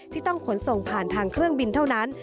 ที่ต้องขนส่งผ่านทางเครื่องบินเท่านั้น